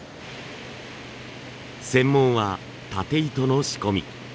専門はタテ糸の仕込み。